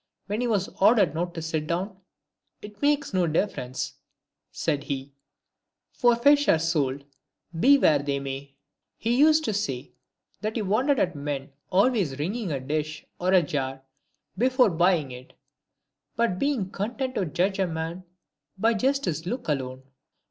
When he was ordered not to sit down ;" It makes no difference," said he, " for fish are sold, be where they may." He used to say, that he wondered at men always ringing a dish or jar before buying it, but being content to judge of a man by his look alone.